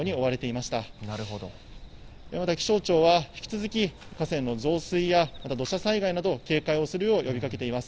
また気象庁は、引き続き河川の増水や、土砂災害など、警戒をするよう呼びかけています。